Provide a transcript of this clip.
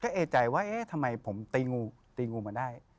ก็เอ๊ะใจมาว่าผมเอ็ะทำไมตีงูมาได้